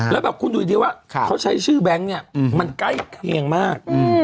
แล้วแบบคุณดูดีว่าเขาใช้ชื่อแบงค์เนี่ยมันใกล้เคียงมาก